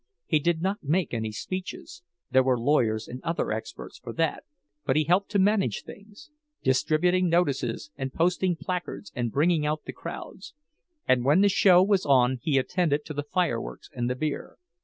He did not make any speeches—there were lawyers and other experts for that—but he helped to manage things; distributing notices and posting placards and bringing out the crowds; and when the show was on he attended to the fireworks and the beer.